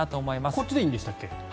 こっちでいいんでしたっけ